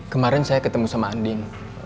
kemarin saya ketemu sama andin